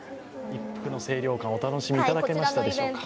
一服の清涼感をお楽しみいただけましたでしょうか。